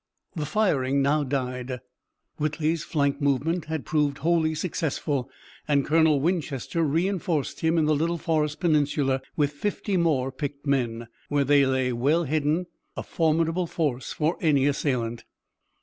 The firing now died. Whitley's flank movement had proved wholly successful, and Colonel Winchester reinforced him in the little forest peninsula with fifty more picked men, where they lay well hidden, a formidable force for any assailant.